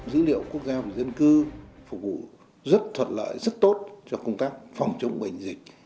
dữ liệu quốc gia về dân cư phục vụ rất thuận lợi rất tốt cho công tác phòng chống bệnh dịch